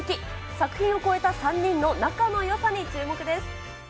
作品を超えた３人の仲のよさに注目です。